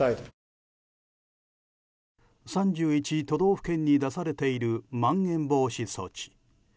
都道府県に出されているまん延防止措置。